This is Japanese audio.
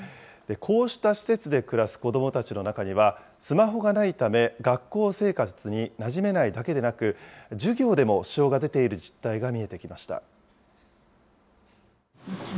こうした施設で暮らす子どもたちの中には、スマホがないため、学校生活になじめないだけでなく、授業でも支障が出ている実態が見えてきました。